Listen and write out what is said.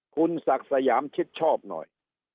คุณศักดิ์สยามชิดชอบหน่อย